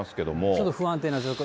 ちょっと不安定な状況。